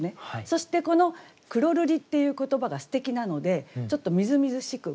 そしてこの「黒瑠璃」っていう言葉がすてきなのでちょっとみずみずしく